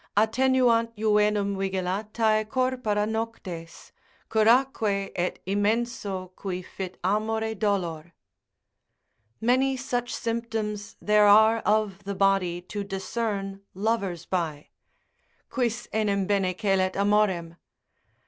Attenuant juvenum vigilatae corpora noctes, Curaque et immenso qui fit amore dolor. Many such symptoms there are of the body to discern lovers by,—quis enim bene celet amorem?